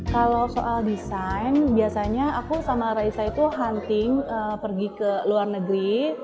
kalau soal desain biasanya aku sama raisa itu hunting pergi ke luar negeri